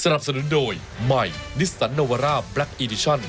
สนุนโดยใหม่นิสสันโนวาร่าแบล็กอีดิชั่น